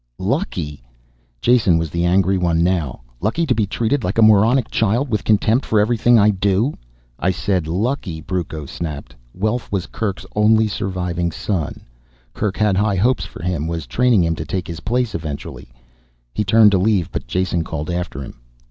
"Lucky!" Jason was the angry one now. "Lucky to be treated like a moronic child, with contempt for everything I do " "I said lucky," Brucco snapped. "Welf was Kerk's only surviving son. Kerk had high hopes for him, was training him to take his place eventually." He turned to leave but Jason called after him.